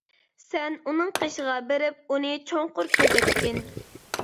سەن ئۇنىڭ قېشىغا بېرىپ، ئۇنى چوڭقۇر كۆزەتكىن.